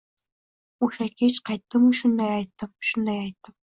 Oʼsha kech qaytdimu shunday aytdim, shunday aytdim!